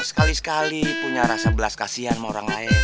sekali sekali punya rasa belas kasihan sama orang lain